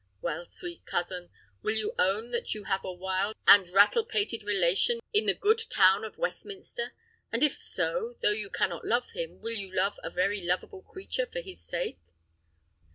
Well, sweet cousin! will you own that you have a wild and rattle pated relation in the good town of Westminster? and if so, though you cannot love him, will you love a very loveable creature for his sake?"